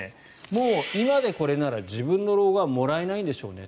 もう、今でこれなら自分の老後はもらえないんでしょうね。